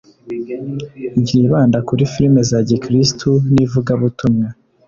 ryibanda kuri filime za gikiristu n’ivugabutumwa